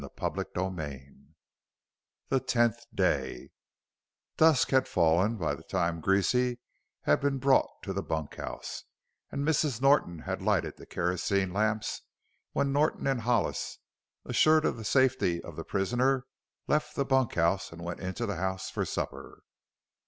CHAPTER XVIII THE TENTH DAY Dusk had fallen by the time Greasy had been brought to the bunkhouse, and Mrs. Norton had lighted the kerosene lamps when Norton and Hollis, assured of the safety of the prisoner, left the bunkhouse and went into the house for supper.